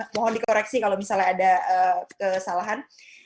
mohon dikoreksi kalau misalnya ada kesalahan